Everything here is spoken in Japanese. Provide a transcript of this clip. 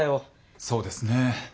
そうですね。